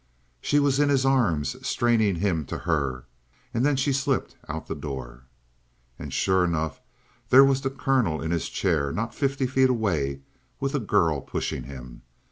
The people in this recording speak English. She was in his arms, straining him to her; and then she slipped out the door. And sure enough, there was the colonel in his chair not fifty feet away with a girl pushing him.